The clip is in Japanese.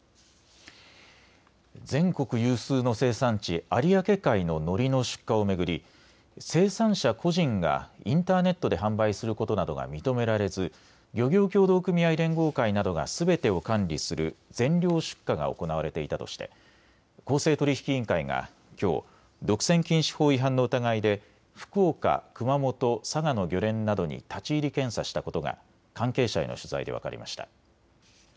全国有数の生産地、有明海ののりの出荷を巡り生産者個人がインターネットで販売することなどが認められず漁業協同組合連合会などがすべてを管理する全量出荷が行われていたとして公正取引委員会がきょう独占禁止法違反の疑いで福岡、熊本、佐賀の漁連などに立ち入り検査したことが関係者への取材で分かりました。